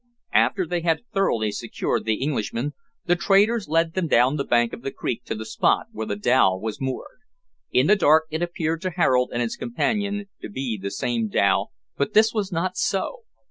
After they had thoroughly secured the Englishmen, the traders led them down the bank of the creek to the spot where the dhow was moored. In the dark it appeared to Harold and his companion to be the same dhow, but this was not so.